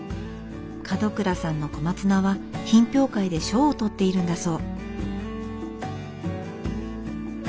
門倉さんの小松菜は品評会で賞を取っているんだそう。